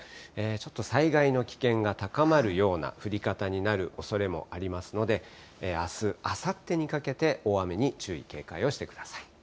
ちょっと災害の危険が高まるような降り方になるおそれもありますので、あす、あさってにかけて大雨に注意警戒をしてください。